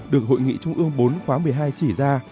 được hội nghị trung ương bốn khóa một mươi hai chỉ ra